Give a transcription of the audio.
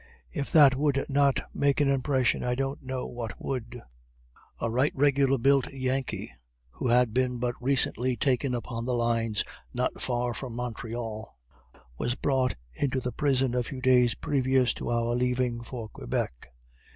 If that would not make an impression, I don't know what would. A right regular built Yankee, who had been but recently taken upon the lines not far from Montreal, was brought into the prison a few days previous to our leaving for Quebec.